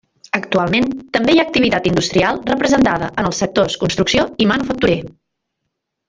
Actualment també hi ha activitat industrial representada en els sectors construcció i manufacturer.